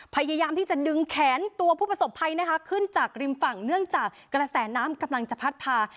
พยายามที่จะดึงแขนตัวผู้ประสบภัยนะคะขึ้นจากริมฝั่งเนื่องจากกระแสน้ำกำลังจะพัดพา